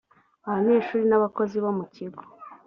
abanyeshuri n abakozi bo mukigo